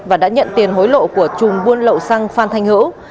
và đã nhận tiền hối lộ của chùm buôn lậu xăng phan thanh hữu